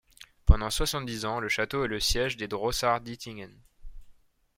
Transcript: Pendant soixante-dix ans, le château est le siège des drossards d'Ittingen.